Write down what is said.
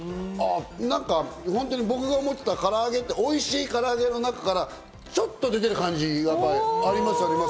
なんか本当に僕が思ってた唐揚げって、おいしい唐揚げの中からちょっと出てる感じがやっぱりあります。